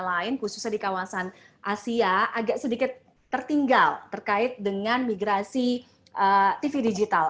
yang lain khususnya di kawasan asia agak sedikit tertinggal terkait dengan migrasi tv digital